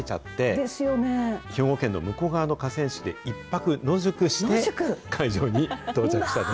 兵庫県の武庫川の河川敷で１泊野宿して、会場に到着したんで